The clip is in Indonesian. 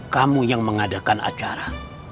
kamu yang mengadakan acara